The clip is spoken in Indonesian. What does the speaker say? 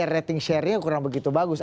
rating sharenya kurang begitu bagus